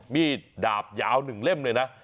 มีดดาบยาว๑เล่มเลยนะ